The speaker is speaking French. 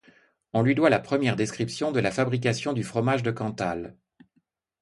On lui doit la première description de la fabrication du fromage de Cantal.